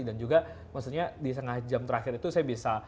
dan juga maksudnya di setengah jam terakhir itu saya bisa